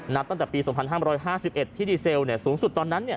นัดตั้งแต่ปี๒๕๕๑ที่ดีเซลต์สูงสุดตอนนั้น